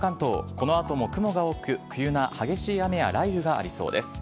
このあとも雲が多く、急な激しい雨や雷雨がありそうです。